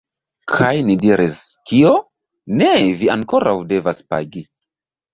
Kaj ni diris: Kio? Ne, vi ankoraŭ devas pagi.